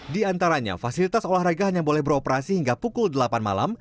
di antaranya fasilitas olahraga hanya boleh beroperasi hingga pukul delapan malam